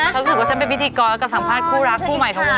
เธอต้องสงบสกินอารมณ์มากคิดอะไรใหม่บ้าง